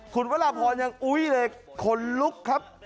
คุณวัลล่าพองยังอุ๊ยเลยขนลุกครับ